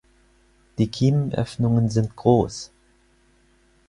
Die Kiemenöffnungen sind groß.